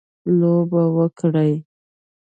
لوبه وکړي.